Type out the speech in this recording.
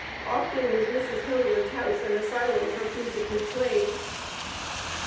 Often was Mrs. Hilliard's house an asylum for fugitive slaves.